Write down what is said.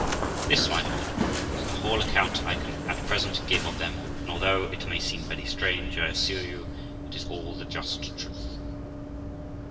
This, my lord, is the whole account I can at present give of them, and although it may seem very strange, I assure you, it is all the just truth.'